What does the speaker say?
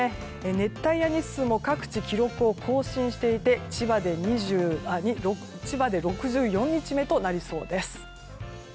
熱帯夜日数も各地、記録を更新していて千葉で６４日目となりそうです。